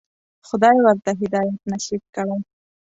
خدای ورته هدایت نصیب کړی.